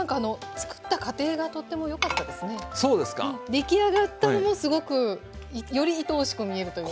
出来上がったのもすごくよりいとおしく見えるというか。